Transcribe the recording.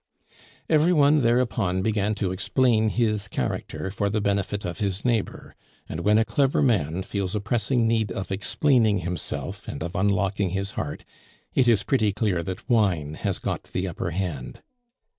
Every one, thereupon, began to explain his character for the benefit of his neighbor; and when a clever man feels a pressing need of explaining himself, and of unlocking his heart, it is pretty clear that wine has got the upper hand.